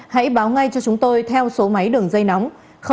hãy báo ngay cho chúng tôi theo số máy đường dây nóng